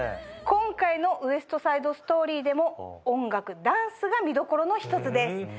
今回の『ウエスト・サイド・ストーリー』でも音楽ダンスが見どころの一つです。